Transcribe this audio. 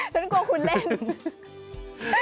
คุณกลัวคุณเล่น